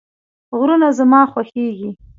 غرونه زما خوښیږي